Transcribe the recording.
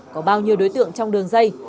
có bao nhiêu đối tượng trong đường dây